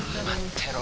てろ